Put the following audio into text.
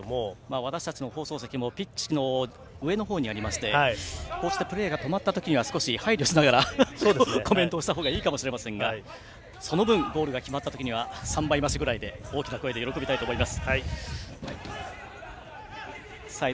私たちの放送席もピッチの上に時間表示がありまして、こうしてプレーが止まったときには少し配慮しながらコメントをしたほうがいいかもしれませんがその分、ゴールが決まったときは３倍増しぐらいで喜びたいと思います。